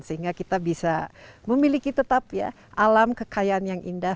sehingga kita bisa memiliki tetap ya alam kekayaan yang indah